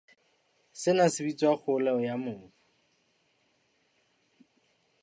Sena se bitswa kgoholeho ya mobu.